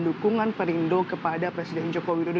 dukungan perindo kepada presiden joko widodo